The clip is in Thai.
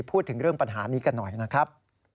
พูดถึงเรื่องปัญหานี้กันหน่อยนะครับ